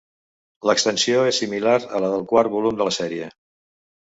L'extensió és similar a la del quart volum de la sèrie.